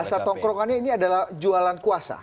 masa tongkrongannya ini adalah jualan kuasa